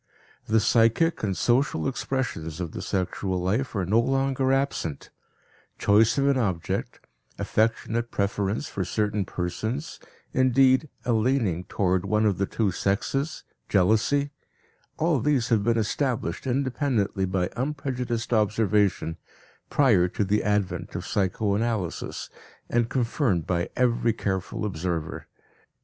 The psychic and social expressions of the sexual life are no longer absent; choice of an object, affectionate preference for certain persons, indeed, a leaning toward one of the two sexes, jealousy all these have been established independently by unprejudiced observation, prior to the advent of psychoanalysis, and confirmed by every careful observer.